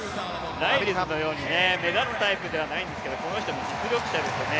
ライルズのように目立つタイプではないんですけどこの人も実力者ですよね。